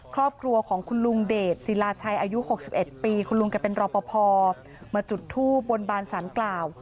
ครอบครัวของคุณลุงเดชศิลาชัยอายุ๖๑ปีคุณลุงแกเป็นรอปภมาจุดทูบบนบานสารกล่าว